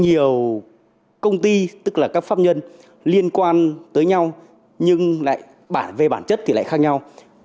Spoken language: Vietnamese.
nhiều công ty tức là các pháp nhân liên quan tới nhau nhưng lại bản về bản chất thì lại khác nhau